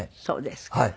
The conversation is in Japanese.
そうですか。